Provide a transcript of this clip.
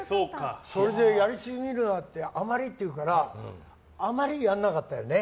それで、やりすぎるなあまりっていうからあまりやらなかったよね。